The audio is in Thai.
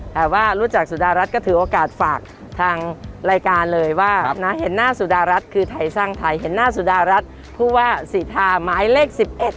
แต่ว่ารู้จักสุดารัฐก็ถือโอกาสฝากทางรายการเลยว่านะเห็นหน้าสุดารัฐคือไทยสร้างไทยเห็นหน้าสุดารัฐผู้ว่าสีทาหมายเลข๑๑